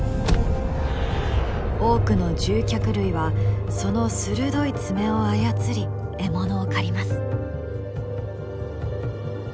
多くの獣脚類はその鋭い爪を操り獲物を狩ります。